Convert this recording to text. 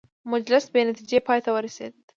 مجلس بې نتیجې پای ته ورسېد.